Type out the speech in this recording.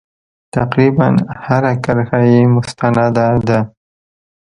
تقریبا هره کرښه یې مستنده ده.